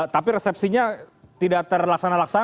tapi resepsinya tidak terlaksanakan